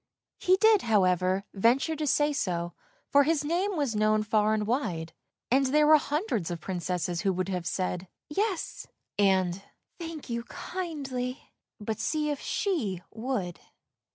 He did, however, venture to say so, for his name was known far and wide; and there were hundreds of Princesses who would have said " Yes," and " Thank you, kindly," but see if she would!